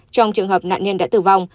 trong trường hợp nạn nhân đã tử vong